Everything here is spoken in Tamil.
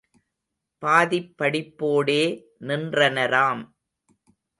பாதிப் படிப்போடே நின்றனராம்.